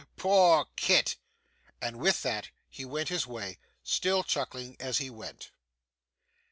Poor Kit!' And with that he went his way, still chuckling as he went.